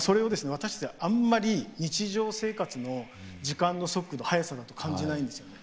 私たちはあんまり日常生活の時間の速度速さだと感じないんですよね。